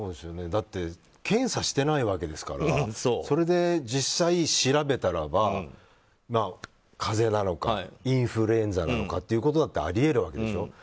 だって検査していないわけですからそれで実際、調べたらば風邪なのかインフルエンザなのかってことだってあり得るわけでしょ。